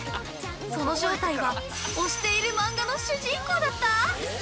その正体は推している漫画の主人公だった！？